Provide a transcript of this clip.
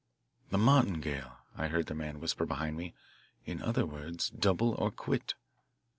"The martingale," I heard the man whisper behind me. "In other words, double or quit."